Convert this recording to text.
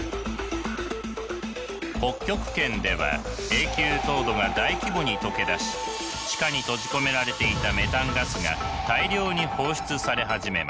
北極圏では永久凍土が大規模に解けだし地下に閉じ込められていたメタンガスが大量に放出され始めます。